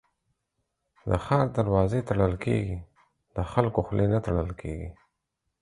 د ښار دروازې تړل کېږي ، د خلکو خولې نه تړل کېږي.